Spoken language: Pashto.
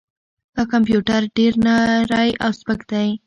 دا کمپیوټر ډېر نری او سپک دی.